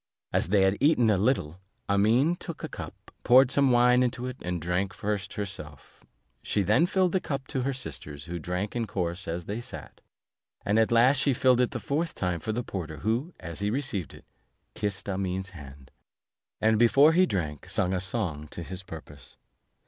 After they had eaten a little, Amene took a cup, poured some wine into it, and drank first herself; she then filled the cup to her sisters, who drank in course as they sat; and at last she filled it the fourth time for the porter, who, as he received it, kissed Amene's hand; and before he drank, sung a song to this purpose.